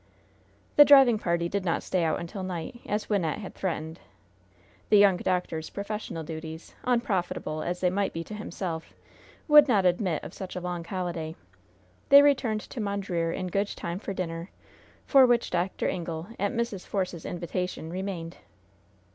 The driving party did not stay out until night, as Wynnette had threatened. The young doctor's professional duties, unprofitable as they might be to himself, would not admit of such a long holiday. They returned to Mondreer in good time for dinner, for which Dr. Ingle, at Mrs. Force's invitation, remained.